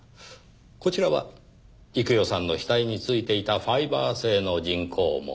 こちらは幾代さんの死体に付いていたファイバー製の人工毛。